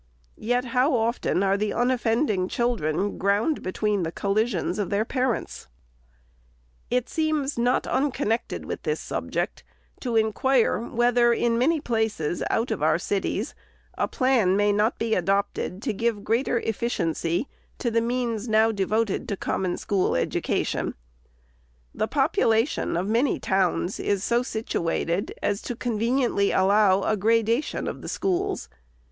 Yet how often are the unoffending children ground between the col lisions of their parents ! It seems not unconnected with this subject to inquire, whether, in many places out of our cities, a plan may not be adopted to give greater efficiency to the means now devoted to common school education. The population of many towns is so situated as conveniently to allow a gra dation of the schools.